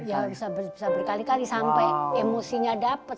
ya bisa berkali kali sampai emosinya dapat